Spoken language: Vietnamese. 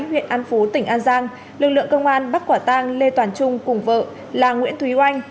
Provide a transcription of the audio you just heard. huyện an phú tỉnh an giang lực lượng công an bắt quả tang lê toàn trung cùng vợ là nguyễn thúy oanh